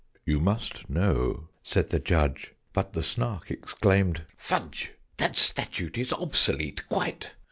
"You must know " said the Judge: but the Snark exclaimed "Fudge! That statute is obsolete quite!